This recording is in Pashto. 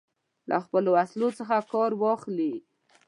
له خپلو وسلو څخه کار واخلي.